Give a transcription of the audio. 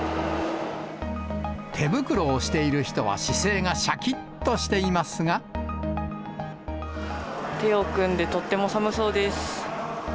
手袋をしている人は姿勢がし手を組んで、とっても寒そうです。